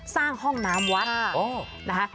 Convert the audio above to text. สร้างห้องน้ำวัดนะคะ